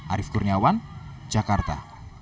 arief kurniawan jakarta